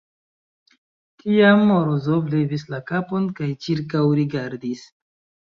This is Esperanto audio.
Tiam Morozov levis la kapon kaj ĉirkaŭrigardis.